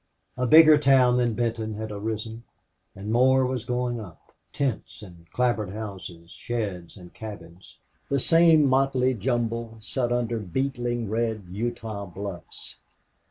A bigger town than Benton had arisen, and more was going up tents and clapboard houses, sheds and cabins the same motley jumble set under beetling red Utah bluffs.